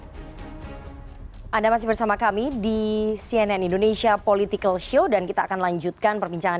hai anda masih bersama kami di cnn indonesia political show dan kita akan lanjutkan perbincangan